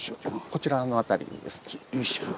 こちらの辺りに。